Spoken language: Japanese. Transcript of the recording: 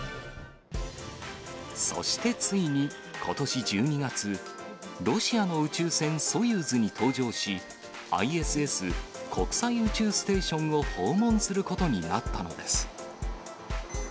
そしてついにことし１２月、ロシアの宇宙船ソユーズに搭乗し、ＩＳＳ・国際宇宙ステーションを訪問することになったのです。